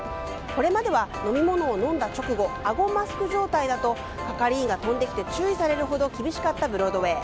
これまでは飲み物を飲んだ直後あごマスク状態だと係員が飛んできて注意されるほど厳しかったブロードウェー。